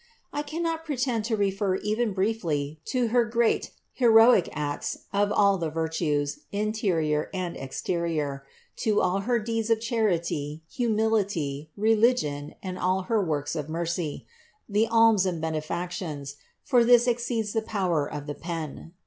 I cannot pretend to refer even briefly to her great heroic acts of THE INCARNATION 25 all the virtues, interior and exterior, to all her deeds of charity, humility, religion, and all her works of mercy, the alms and benefactions ; for this exceeds the power of the pen.